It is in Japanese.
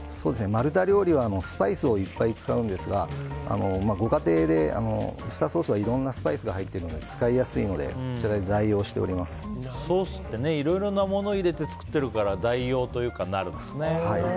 マルタ料理はスパイスをいっぱい使うんですがご家庭でウスターソースはいろんなスパイスが入っているので使いやすいのでソースっていろいろなものを入れて作ってるから代用というかなるんですね。